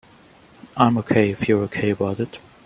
I'm OK if you're OK about it.